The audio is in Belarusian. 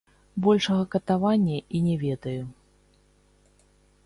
Большага катавання і не ведаю.